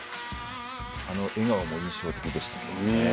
あの笑顔も印象的でしたけどもね。